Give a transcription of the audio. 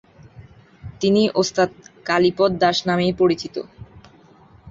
তিনি ওস্তাদ কালীপদ দাস নামেই পরিচিত।